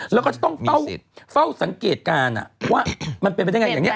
แล้วก็จะต้องเฝ้าสังเกตการณ์ว่ามันเป็นไปได้ไงอย่างนี้